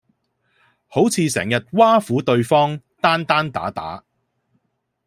好似成日挖苦對方，單單打打